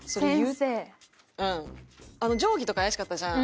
「定規」とか怪しかったじゃん。